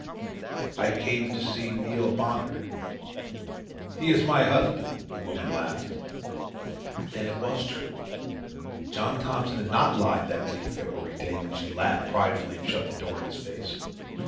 "I come to see Neil Bonner." "He is my husband," the woman laughed. Then it was true! John Thompson had not lied that bleak February day, when she laughed pridefully and shut the door in his face.